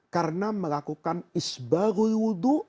karena melakukan isbahul wudu